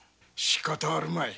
しかたあるまい。